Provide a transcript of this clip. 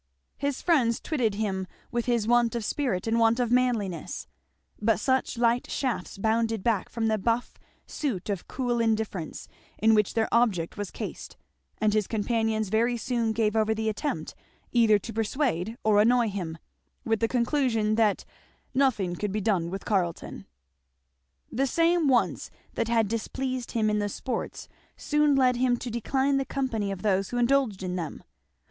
His friends twitted him with his want of spirit and want of manliness; but such light shafts bounded back from the buff suit of cool indifference in which their object was cased; and his companions very soon gave over the attempt either to persuade or annoy him, with the conclusion that "nothing could be done with Carleton." The same wants that had displeased him in the sports soon led him to decline the company of those who indulged in them.